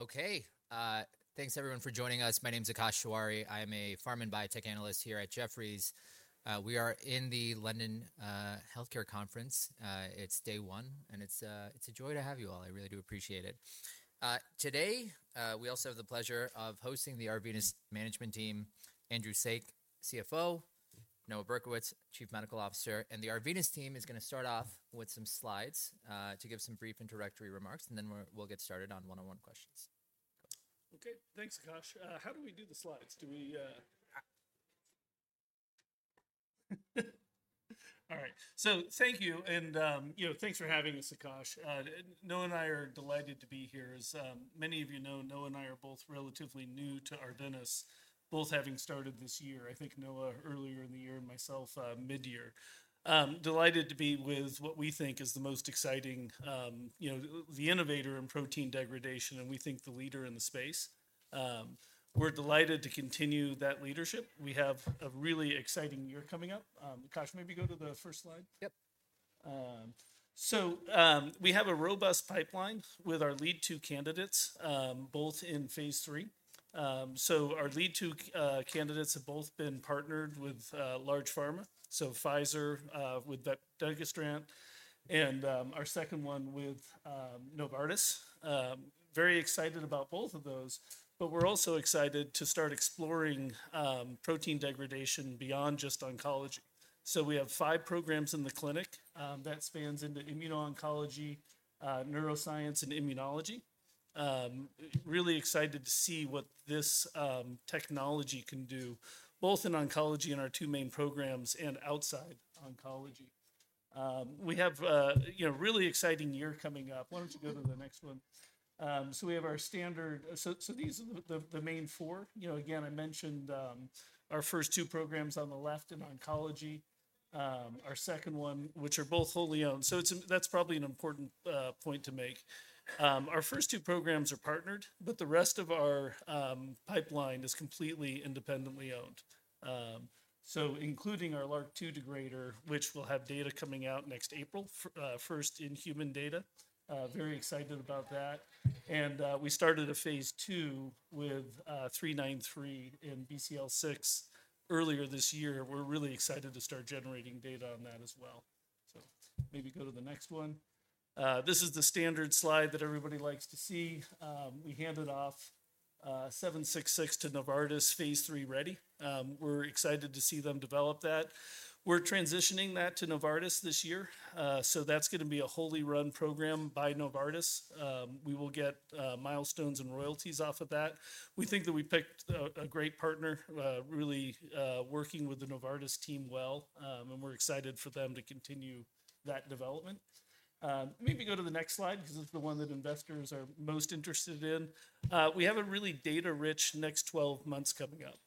Okay, thanks everyone for joining us. My name is Akash Tewari. I am a pharma and biotech analyst here at Jefferies. We are in the London Healthcare Conference. It's day one, and it's a joy to have you all. I really do appreciate it. Today, we also have the pleasure of hosting the Arvinas Management Team, Andrew Saik, CFO, Noah Berkowitz, Chief Medical Officer, and the Arvinas Team is going to start off with some slides to give some brief introductory remarks, and then we'll get started on one-on-one questions. Okay, thanks, Akash. How do we do the slides? Do we? All right, so thank you, and thanks for having us, Akash. Noah and I are delighted to be here. As many of you know, Noah and I are both relatively new to Arvinas, both having started this year, I think Noah earlier in the year and myself mid-year. Delighted to be with what we think is the most exciting, the innovator in protein degradation, and we think the leader in the space. We're delighted to continue that leadership. We have a really exciting year coming up. Akash, maybe go to the first slide. Yep. We have a robust pipeline with our lead two candidates, both in phase 3. Our lead two candidates have both been partnered with large pharma, so Pfizer with vepdegestrant, and our second one with Novartis. Very excited about both of those, but we're also excited to start exploring protein degradation beyond just oncology. We have five programs in the clinic that spans into immuno-oncology, neuroscience, and immunology. Really excited to see what this technology can do, both in oncology and our two main programs and outside oncology. We have a really exciting year coming up. Why don't you go to the next one? We have our standard. These are the main four. Again, I mentioned our first two programs on the left in oncology, our second one, which are both wholly owned. That's probably an important point to make. Our first two programs are partnered, but the rest of our pipeline is completely independently owned, so including our LRRK2 degrader, which will have data coming out next April, first in human data. Very excited about that and we started a phase two with 393 in BCL6 earlier this year. We're really excited to start generating data on that as well, so maybe go to the next one. This is the standard slide that everybody likes to see. We handed off 766 to Novartis, phase three ready. We're excited to see them develop that. We're transitioning that to Novartis this year, so that's going to be a wholly run program by Novartis. We will get milestones and royalties off of that. We think that we picked a great partner, really working with the Novartis team well, and we're excited for them to continue that development. Maybe go to the next slide because it's the one that investors are most interested in. We have a really data-rich next 12 months coming up.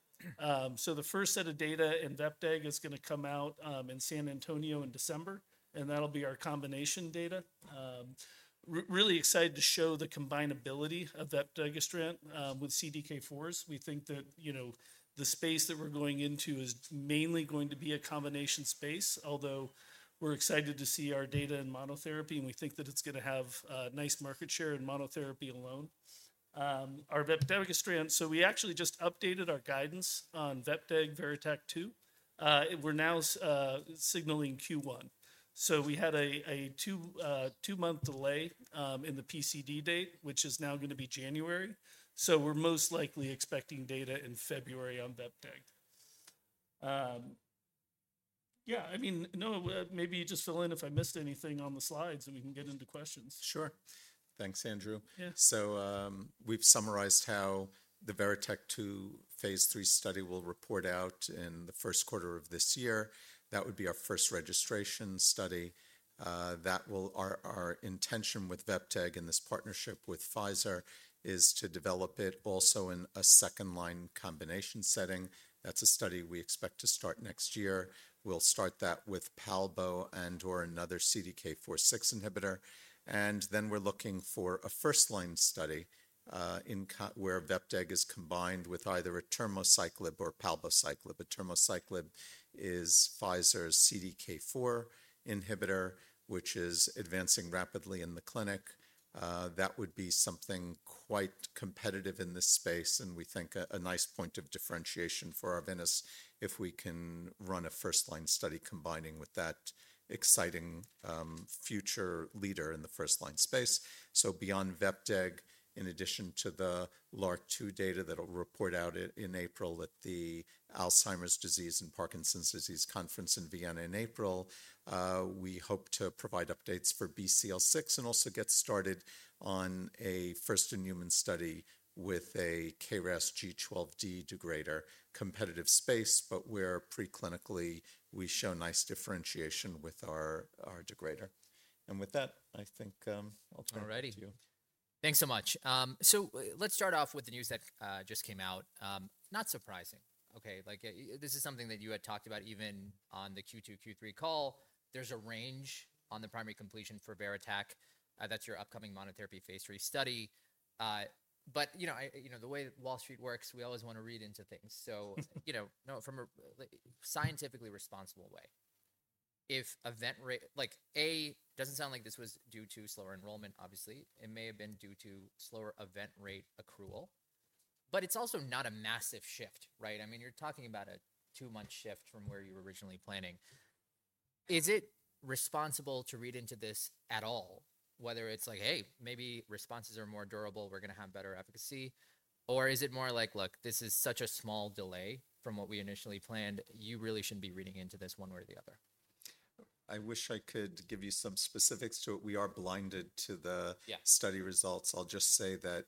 The first set of data in vepdegestrant is going to come out in San Antonio in December, and that'll be our combination data. Really excited to show the combinability of vepdegestrant with CDK4s. We think that the space that we're going into is mainly going to be a combination space, although we're excited to see our data in monotherapy, and we think that it's going to have a nice market share in monotherapy alone. Our vepdegestrant program, so we actually just updated our guidance on vepdegestrant VERITAC-2. We're now signaling Q1. So we had a two-month delay in the PCD date, which is now going to be January. So we're most likely expecting data in February on vepdegestrant. Yeah, I mean, Noah, maybe you just fill in if I missed anything on the slides and we can get into questions. Sure. Thanks, Andrew. So we've summarized how the VERITAC-2 Phase III study will report out in the first quarter of this year. That would be our first registration study. That will be our intention with vepdegestrant in this partnership with Pfizer is to develop it also in a second-line combination setting. That's a study we expect to start next year. We'll start that with Palbo and/or another CDK4/6 inhibitor. And then we're looking for a first-line study where vepdegestrant is combined with either atirmociclib or palbociclib. Atirmociclib is Pfizer's CDK4 inhibitor, which is advancing rapidly in the clinic. That would be something quite competitive in this space, and we think a nice point of differentiation for Arvinas if we can run a first-line study combining with that exciting future leader in the first-line space. So beyond vepdegestrant, in addition to the LRRK2 data that'll report out in April at the Alzheimer's Disease and Parkinson's Disease Conference in Vienna in April, we hope to provide updates for BCL6 and also get started on a first-in-human study with a KRAS G12D degrader, competitive space, but where preclinically we show nice differentiation with our degrader. And with that, I think I'll turn it to you. Thanks so much. So let's start off with the news that just came out. Not surprising. Okay, this is something that you had talked about even on the Q2, Q3 call. There's a range on the primary completion for VERITAC-2. That's your upcoming monotherapy Phase III study. But the way Wall Street works, we always want to read into things. So from a scientifically responsible way, if event rate like A, doesn't sound like this was due to slower enrollment, obviously. It may have been due to slower event rate accrual. But it's also not a massive shift, right? I mean, you're talking about a two-month shift from where you were originally planning. Is it responsible to read into this at all, whether it's like, hey, maybe responses are more durable, we're going to have better efficacy? Or is it more like, look, this is such a small delay from what we initially planned. You really shouldn't be reading into this one way or the other. I wish I could give you some specifics to it. We are blinded to the study results. I'll just say that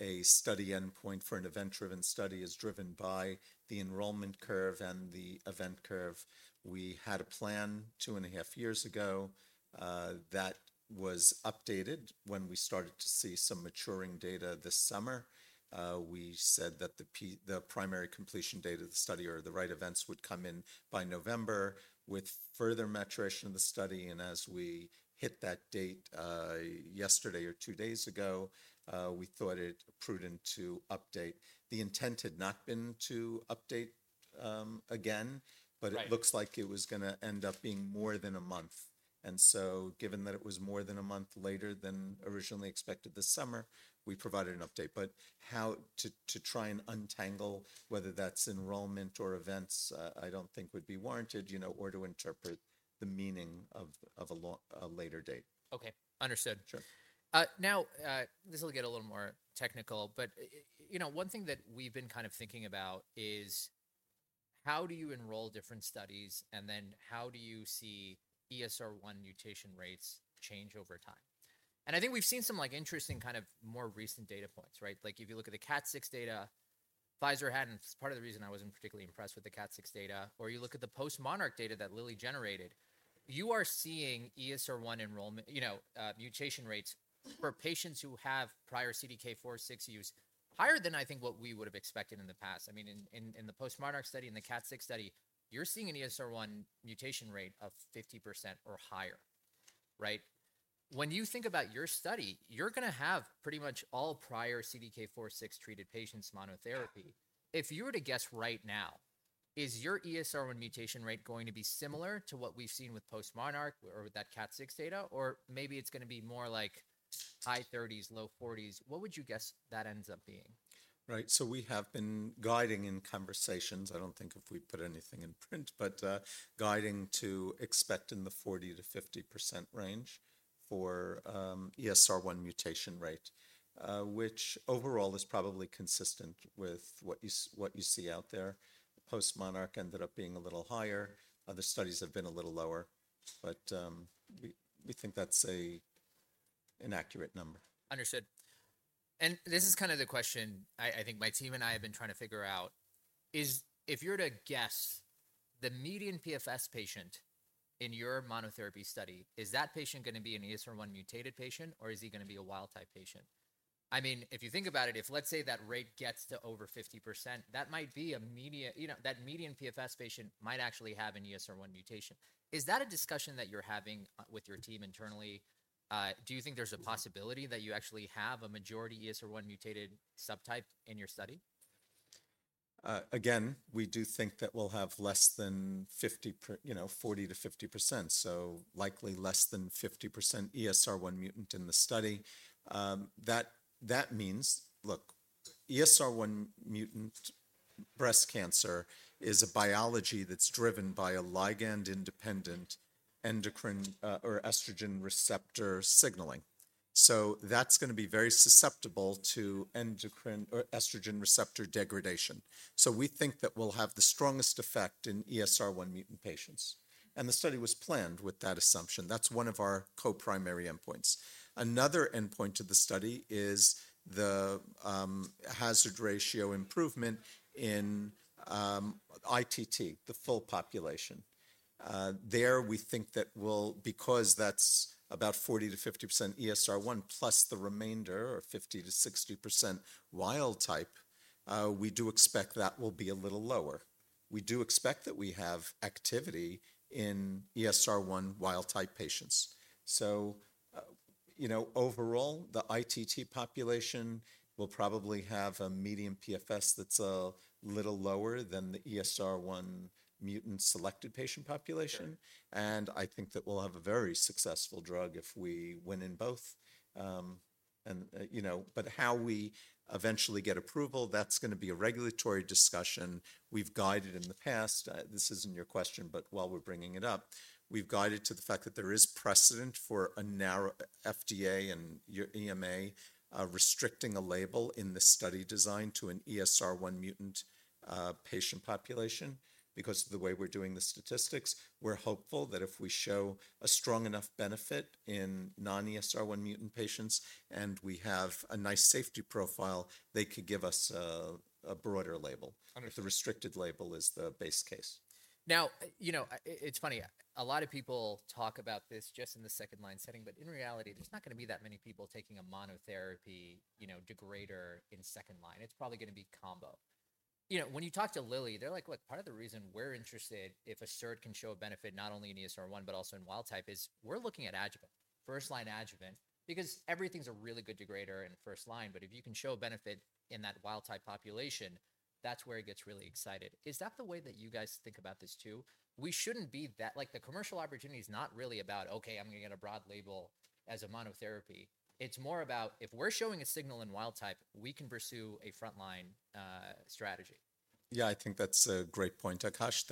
a study endpoint for an event-driven study is driven by the enrollment curve and the event curve. We had a plan two and a half years ago that was updated when we started to see some maturing data this summer. We said that the primary completion date of the study or the right events would come in by November with further maturation of the study, and as we hit that date yesterday or two days ago, we thought it prudent to update. The intent had not been to update again, but it looks like it was going to end up being more than a month, and so given that it was more than a month later than originally expected this summer, we provided an update. But how to try and untangle whether that's enrollment or events? I don't think would be warranted or to interpret the meaning of a later date. Okay, understood. Now, this will get a little more technical, but one thing that we've been kind of thinking about is how do you enroll different studies and then how do you see ESR1 mutation rates change over time? And I think we've seen some interesting kind of more recent data points, right? Like if you look at the KAT6 data, Pfizer hadn't, it's part of the reason I wasn't particularly impressed with the KAT6 data. Or you look at the postMONARCH data that Lilly generated, you are seeing ESR1 mutation rates for patients who have prior CDK4/6 use higher than I think what we would have expected in the past. I mean, in the postMONARCH study, in the KAT6 study, you're seeing an ESR1 mutation rate of 50% or higher, right? When you think about your study, you're going to have pretty much all prior CDK4/6 treated patients monotherapy. If you were to guess right now, is your ESR1 mutation rate going to be similar to what we've seen with postMONARCH or with that KAT6 data? Or maybe it's going to be more like high 30s, low 40s? What would you guess that ends up being? Right, so we have been guiding in conversations. I don't think if we put anything in print, but guiding to expect in the 40%-50% range for ESR1 mutation rate, which overall is probably consistent with what you see out there. postMONARCH ended up being a little higher. Other studies have been a little lower, but we think that's an accurate number. Understood. And this is kind of the question I think my team and I have been trying to figure out is if you were to guess the median PFS patient in your monotherapy study, is that patient going to be an ESR1 mutated patient or is he going to be a wild type patient? I mean, if you think about it, if let's say that rate gets to over 50%, that might be a median PFS patient might actually have an ESR1 mutation. Is that a discussion that you're having with your team internally? Do you think there's a possibility that you actually have a majority ESR1 mutated subtype in your study? Again, we do think that we'll have less than 40%-50%, so likely less than 50% ESR1 mutant in the study. That means, look, ESR1 mutant breast cancer is a biology that's driven by a ligand-independent endocrine or estrogen receptor signaling. So that's going to be very susceptible to endocrine or estrogen receptor degradation. So we think that we'll have the strongest effect in ESR1 mutant patients. And the study was planned with that assumption. That's one of our co-primary endpoints. Another endpoint to the study is the hazard ratio improvement in ITT, the full population. There, we think that we'll, because that's about 40%-50% ESR1 plus the remainder of 50%-60% wild type, we do expect that will be a little lower. We do expect that we have activity in ESR1 wild type patients. Overall, the ITT population will probably have a median PFS that's a little lower than the ESR1 mutant selected patient population. I think that we'll have a very successful drug if we win in both. How we eventually get approval, that's going to be a regulatory discussion. We've guided in the past, this isn't your question, but while we're bringing it up, we've guided to the fact that there is precedent for a narrow FDA and your EMA restricting a label in the study design to an ESR1 mutant patient population because of the way we're doing the statistics. We're hopeful that if we show a strong enough benefit in non-ESR1 mutant patients and we have a nice safety profile, they could give us a broader label. The restricted label is the base case. Now, it's funny, a lot of people talk about this just in the second-line setting, but in reality, there's not going to be that many people taking a monotherapy degrader in second line. It's probably going to be combo. When you talk to Lilly, they're like, look, part of the reason we're interested if a SERD can show a benefit not only in ESR1, but also in wild type is we're looking at adjuvant, first-line adjuvant, because everything's a really good degrader in first line. But if you can show a benefit in that wild type population, that's where it gets really excited. Is that the way that you guys think about this too? We shouldn't be that like the commercial opportunity is not really about, okay, I'm going to get a broad label as a monotherapy. It's more about if we're showing a signal in wild type, we can pursue a frontline strategy. Yeah, I think that's a great point, Akash.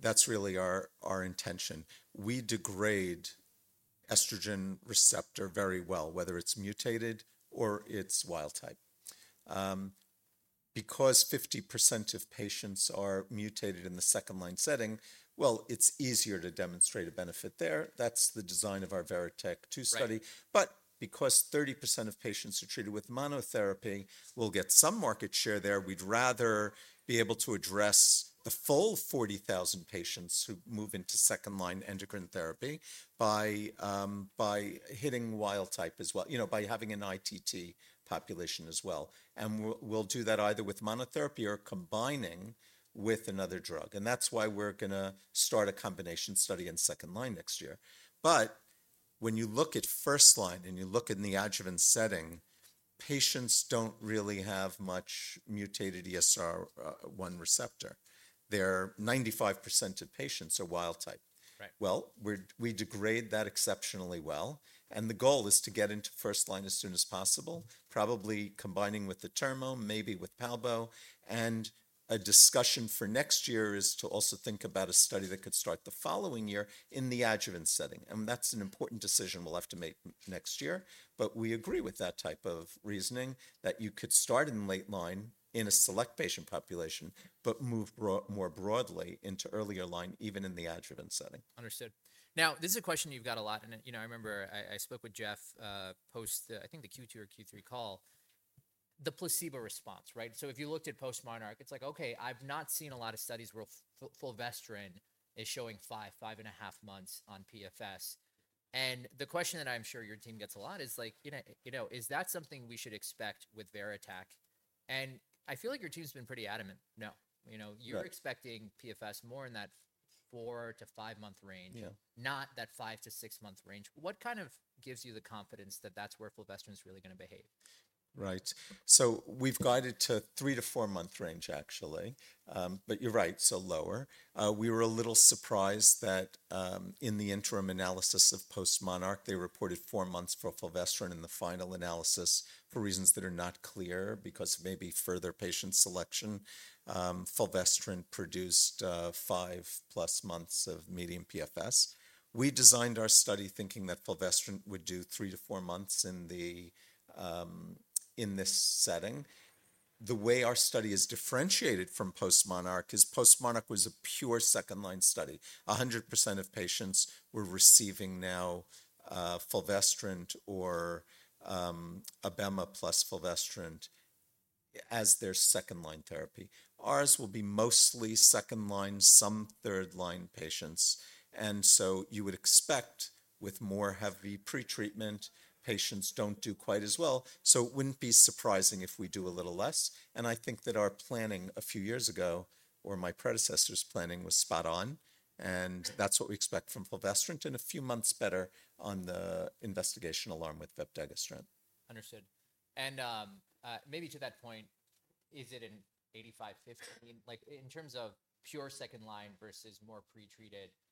That's really our intention. We degrade estrogen receptor very well, whether it's mutated or it's wild type. Because 50% of patients are mutated in the second-line setting, well, it's easier to demonstrate a benefit there. That's the design of our VERITAC-2 study. But because 30% of patients are treated with monotherapy, we'll get some market share there. We'd rather be able to address the full 40,000 patients who move into second-line endocrine therapy by hitting wild type as well, by having an ITT population as well. And we'll do that either with monotherapy or combining with another drug. And that's why we're going to start a combination study in second-line next year. But when you look at first-line and you look in the adjuvant setting, patients don't really have much mutated ESR1 receptor. They're 95% of patients are wild type. Well, we degrade that exceptionally well, and the goal is to get into first line as soon as possible, probably combining with atirma, maybe with Palbo, and a discussion for next year is to also think about a study that could start the following year in the adjuvant setting, and that's an important decision we'll have to make next year, but we agree with that type of reasoning that you could start in late line in a select patient population, but move more broadly into earlier line even in the adjuvant setting. Understood. Now, this is a question you've got a lot. And I remember I spoke with Jeff post, I think the Q2 or Q3 call, the placebo response, right? So if you looked at postMONARCH, it's like, okay, I've not seen a lot of studies where fulvestrant is showing five, five and a half months on PFS. And the question that I'm sure your team gets a lot is like, you know, is that something we should expect with VERITAC? And I feel like your team's been pretty adamant. No, you're expecting PFS more in that four- to five-month range, not that five- to six-month range. What kind of gives you the confidence that that's where fulvestrant is really going to behave? Right. So we've guided to three- to four-month range, actually. But you're right, so lower. We were a little surprised that in the interim analysis of postMONARCH, they reported four months for fulvestrant in the final analysis for reasons that are not clear because maybe further patient selection. Fulvestrant produced five plus months of median PFS. We designed our study thinking that fulvestrant would do three to four months in this setting. The way our study is differentiated from postMONARCH is postMONARCH was a pure second-line study. 100% of patients were receiving now fulvestrant or abemaciclib plus fulvestrant as their second-line therapy. Ours will be mostly second line, some third-line patients. And so you would expect with more heavy pretreatment, patients don't do quite as well. So it wouldn't be surprising if we do a little less. And I think that our planning a few years ago or my predecessor's planning was spot on. And that's what we expect from fulvestrant in a few months, data on the investigational arm with vepdegestrant. Understood. And maybe to that point, is it an 85-50? In terms of pure second line versus more pretreated, what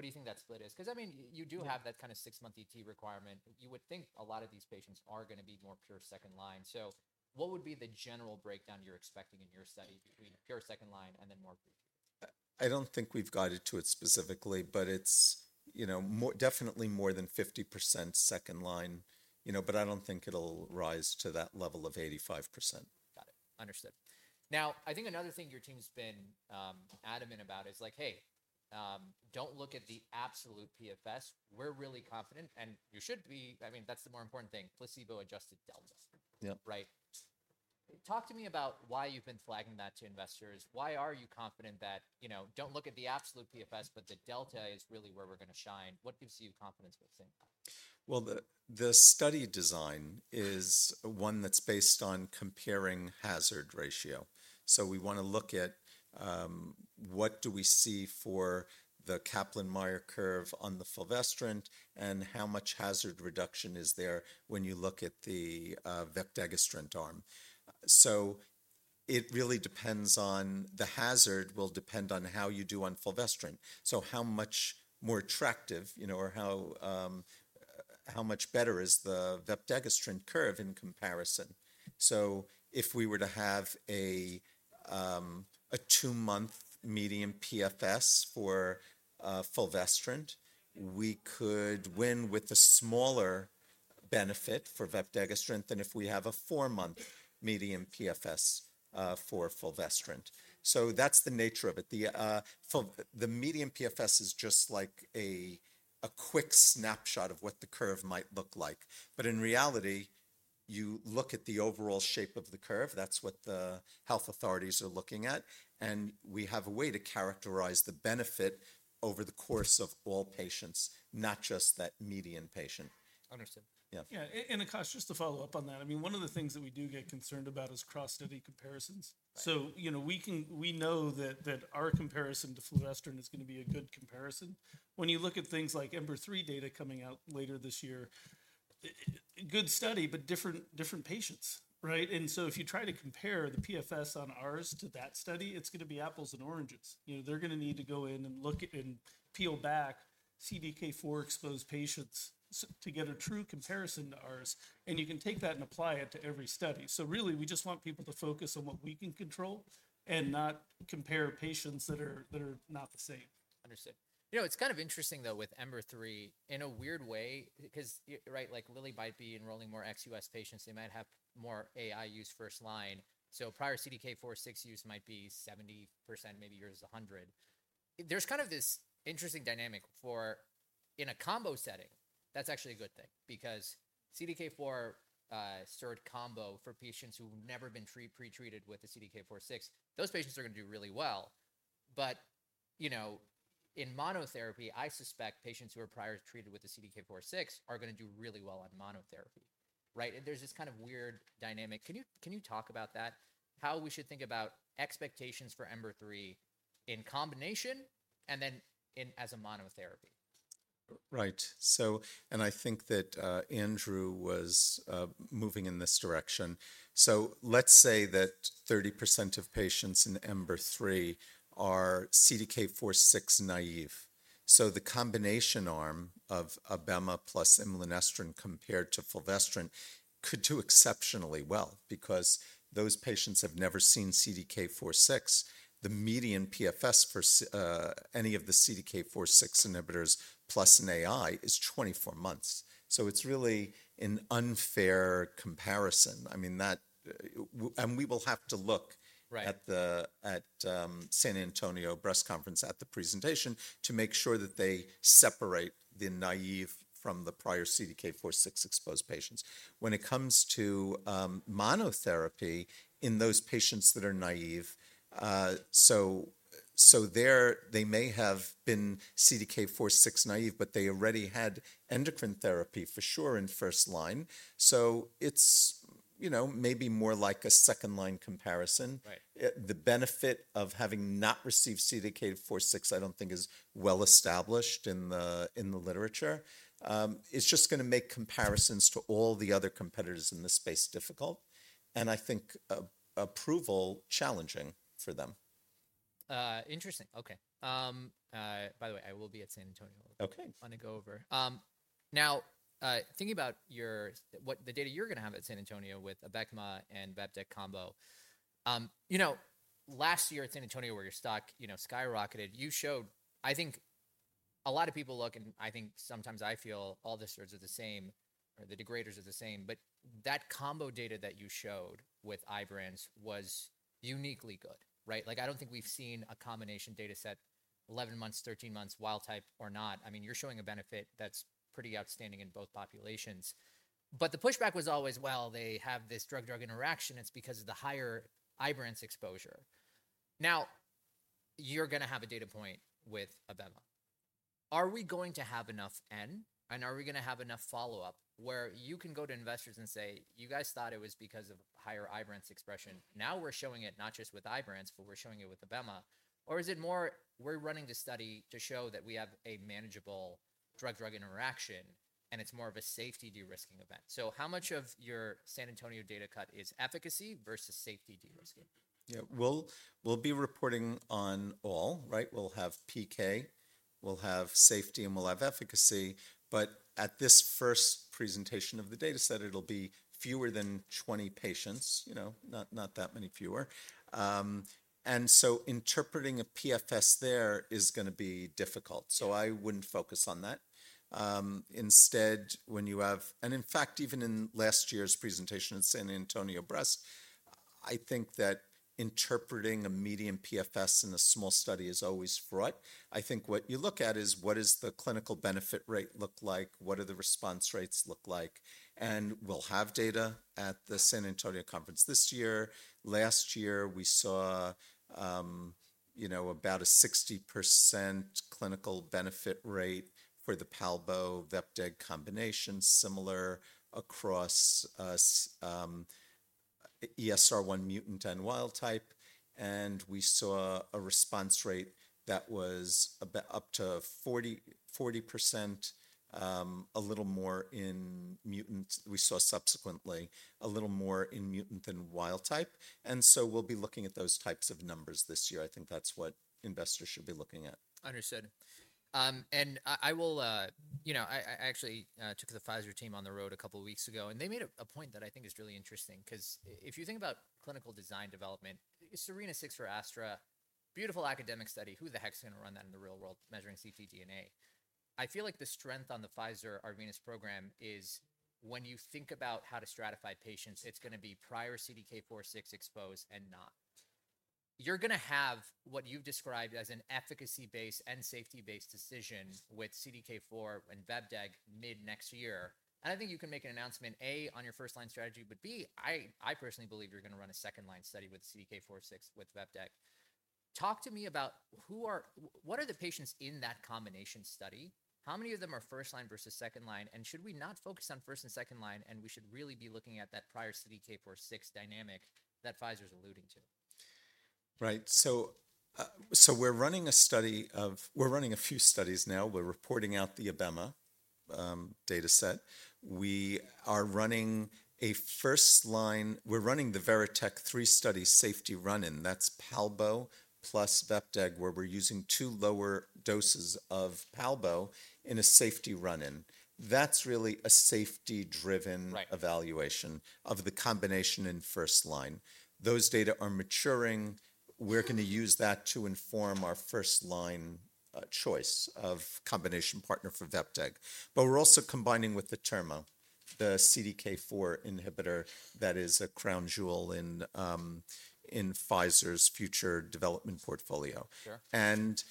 do you think that split is? Because I mean, you do have that kind of six-month ET requirement. You would think a lot of these patients are going to be more pure second line. So what would be the general breakdown you're expecting in your study between pure second line and then more pretreated? I don't think we've guided to it specifically, but it's definitely more than 50% second line. But I don't think it'll rise to that level of 85%. Got it. Understood. Now, I think another thing your team's been adamant about is like, hey, don't look at the absolute PFS. We're really confident. And you should be. I mean, that's the more important thing, placebo-adjusted delta. Right? Talk to me about why you've been flagging that to investors. Why are you confident that don't look at the absolute PFS, but the delta is really where we're going to shine? What gives you confidence with things? The study design is one that's based on comparing hazard ratio. We want to look at what do we see for the Kaplan-Meier curve on fulvestrant and how much hazard reduction is there when you look at the vepdegestrant arm. It really depends on the hazard will depend on how you do on fulvestrant. How much more attractive or how much better is the vepdegestrant curve in comparison? If we were to have a two-month median PFS for fulvestrant, we could win with a smaller benefit for vepdegestrant than if we have a four-month median PFS for fulvestrant. That's the nature of it. The median PFS is just like a quick snapshot of what the curve might look like, but in reality, you look at the overall shape of the curve. That's what the health authorities are looking at. We have a way to characterize the benefit over the course of all patients, not just that median patient. Understood. Yeah. Yeah. And Akash, just to follow up on that, I mean, one of the things that we do get concerned about is cross-study comparisons. So we know that our comparison to fulvestrant is going to be a good comparison. When you look at things like EMBER-3 data coming out later this year, good study, but different patients, right? And so if you try to compare the PFS on ours to that study, it's going to be apples and oranges. They're going to need to go in and look and peel back CDK4 exposed patients to get a true comparison to ours. And you can take that and apply it to every study. So really, we just want people to focus on what we can control and not compare patients that are not the same. Understood. You know, it's kind of interesting though with EMBER-3 in a weird way because, right, like Lilly might be enrolling more ex-US patients, they might have more AI use first line. So prior CDK4/6 use might be 70%, maybe yours is 100. There's kind of this interesting dynamic for in a combo setting. That's actually a good thing because CDK4/6 in combo for patients who have never been pretreated with the CDK4/6, those patients are going to do really well. But in monotherapy, I suspect patients who are prior treated with the CDK4/6 are going to do really well on monotherapy, right? And there's this kind of weird dynamic. Can you talk about that? How we should think about expectations for EMBER-3 in combination and then as a monotherapy? Right. So, and I think that Andrew was moving in this direction. So let's say that 30% of patients in EMBER-3 are CDK4/6 naive. So the combination arm of Abemla plus imlunestrant compared to fulvestrant could do exceptionally well because those patients have never seen CDK4/6. The median PFS for any of the CDK4/6 inhibitors plus an AI is 24 months. So it's really an unfair comparison. I mean, that, and we will have to look at the San Antonio breast conference at the presentation to make sure that they separate the naive from the prior CDK4/6 exposed patients. When it comes to monotherapy in those patients that are naive, so they may have been CDK4/6 naive, but they already had endocrine therapy for sure in first line. So it's maybe more like a second line comparison. The benefit of having not received CDK4/6, I don't think is well established in the literature. It's just going to make comparisons to all the other competitors in this space difficult. And I think approval challenging for them. Interesting. Okay. By the way, I will be at San Antonio. Okay. Want to go over. Now, thinking about the data you're going to have at San Antonio with Abemla and vepdegestrant combo, you know, last year at San Antonio where your stock skyrocketed, you showed, I think a lot of people look and I think sometimes I feel all the certs are the same or the degraders are the same, but that combo data that you showed with Ibranz was uniquely good, right? Like I don't think we've seen a combination data set, 11 months, 13 months, wild type or not. I mean, you're showing a benefit that's pretty outstanding in both populations. But the pushback was always, well, they have this drug-drug interaction. It's because of the higher Ibranz exposure. Now, you're going to have a data point with Abemla. Are we going to have enough N? Are we going to have enough follow-up where you can go to investors and say, you guys thought it was because of higher Ibranz expression. Now we're showing it not just with Ibranz, but we're showing it with Abemla. Or is it more we're running the study to show that we have a manageable drug-drug interaction and it's more of a safety de-risking event? So how much of your San Antonio data cut is efficacy versus safety de-risking? Yeah, we'll be reporting on all, right? We'll have PK, we'll have safety, and we'll have efficacy. But at this first presentation of the data set, it'll be fewer than 20 patients, you know, not that many fewer. And so interpreting a PFS there is going to be difficult. So I wouldn't focus on that. Instead, when you have, and in fact, even in last year's presentation at San Antonio Breast Cancer Symposium, I think that interpreting a median PFS in a small study is always fraught. I think what you look at is what does the clinical benefit rate look like? What do the response rates look like? And we'll have data at the San Antonio conference this year. Last year, we saw about a 60% clinical benefit rate for the Palbo-Vepdeg combination, similar across ESR1 mutant and wild type. And we saw a response rate that was up to 40%, a little more in mutant. We saw subsequently a little more in mutant than wild type. And so we'll be looking at those types of numbers this year. I think that's what investors should be looking at. Understood. And I will, you know, I actually took the Pfizer team on the road a couple of weeks ago, and they made a point that I think is really interesting because if you think about clinical design development, SERENA-6 for Astra, beautiful academic study, who the heck's going to run that in the real world measuring ctDNA? I feel like the strength on the Pfizer Arvinas program is when you think about how to stratify patients, it's going to be prior CDK4/6 exposed and not. You're going to have what you've described as an efficacy-based and safety-based decision with CDK4 and vepdegestrant mid next year. And I think you can make an announcement, A, on your first line strategy, but B, I personally believe you're going to run a second line study with CDK4/6 with vepdegestrant. Talk to me about who are, what are the patients in that combination study? How many of them are first line versus second line? And should we not focus on first and second line? And we should really be looking at that prior CDK4/6 dynamic that Pfizer is alluding to. Right. So we're running a few studies now. We're reporting out the Abemla data set. We are running a first line. We're running the VERITAC-3 study safety run-in. That's Palbo plus Vepdeg where we're using two lower doses of Palbo in a safety run-in. That's really a safety-driven evaluation of the combination in first line. Those data are maturing. We're going to use that to inform our first line choice of combination partner for Vepdeg. But we're also combining with the atirmociclib, the CDK4 inhibitor that is a crown jewel in Pfizer's future development portfolio. And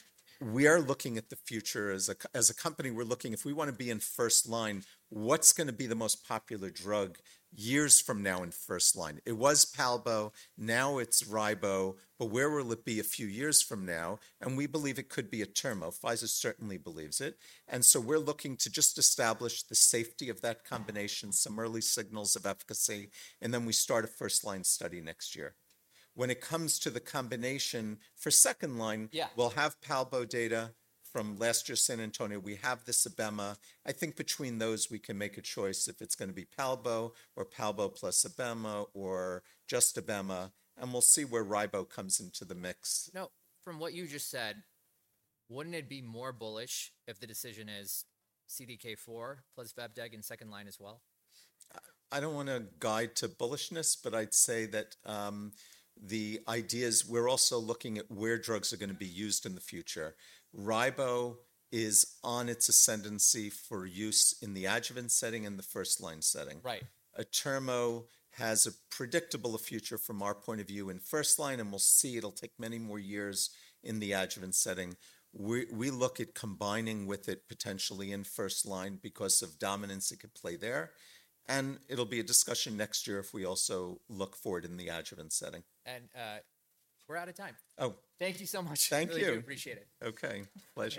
we are looking at the future as a company. We're looking if we want to be in first line, what's going to be the most popular drug years from now in first line? It was Palbo, now it's Ribo, but where will it be a few years from now, and we believe it could be atirma. Pfizer certainly believes it, and so we're looking to just establish the safety of that combination, some early signals of efficacy, and then we start a first line study next year. When it comes to the combination for second line, we'll have Palbo data from last year's San Antonio. We have this Abemla. I think between those, we can make a choice if it's going to be Palbo or Palbo plus Abemla or just Abemla, and we'll see where Ribo comes into the mix. Now, from what you just said, wouldn't it be more bullish if the decision is CDK4 plus vepdegestrant in second line as well? I don't want to guide to bullishness, but I'd say that the idea is we're also looking at where drugs are going to be used in the future. Ribo is on its ascendancy for use in the adjuvant setting and the first line setting. Atirmociclib has a predictable future from our point of view in first line, and we'll see, it'll take many more years in the adjuvant setting. We look at combining with it potentially in first line because of dominance it could play there, and it'll be a discussion next year if we also look for it in the adjuvant setting. We're out of time. Oh. Thank you so much. Thank you. Really appreciate it. Okay.